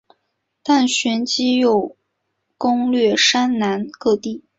但旋即又攻掠山南各地。